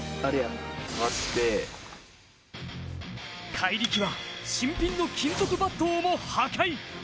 怪力は新品の金属バットをも破壊。